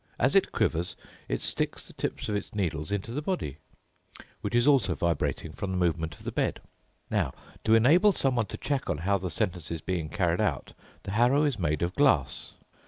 As it quivers, it sticks the tips of its needles into the body, which is also vibrating from the movement of the bed. Now, to enable someone to check on how the sentence is being carried out, the harrow is made of glass.